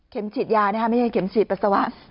ฉีดยานะคะไม่ใช่เข็มฉีดปัสสาวะ